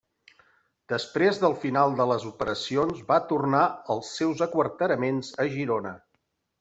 Després del final de les operacions va tornar als seus aquarteraments a Girona.